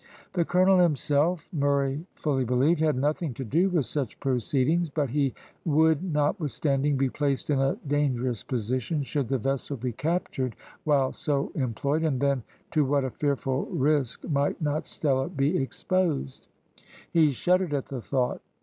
The colonel himself, Murray fully believed, had nothing to do with such proceedings; but he would, notwithstanding, be placed in a dangerous position should the vessel be captured while so employed, and then to what a fearful risk might not Stella be exposed. He shuddered at the thought.